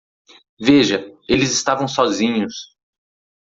Veja, eles estavam sozinhos.